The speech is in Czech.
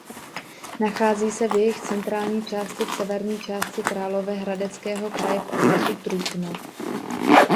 Nachází se v jejich centrální části v severní části Královéhradeckého kraje v okresu Trutnov.